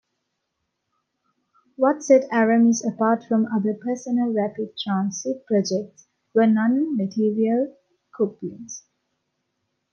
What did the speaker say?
What set Aramis apart from other personal rapid transit projects were non-material couplings.